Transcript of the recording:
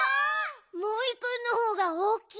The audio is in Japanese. モイくんのほうがおおきい！